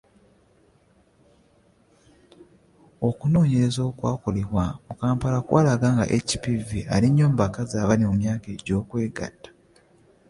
Okunoonyereza okwakolebwa mu Kampala kwalaga nga HPV ali nnyo mu bakazi abali mu myaka egy’okwegatta.